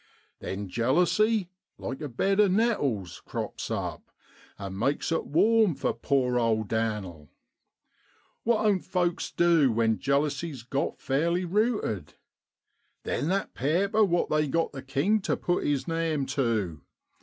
Then jealousy, like abed of nettles, crops up, and makes it warm for poor old Dan'l. What oan't folks du when jealousy's got fairly ruted ? Then that paaper what they got the king tu put his name tu.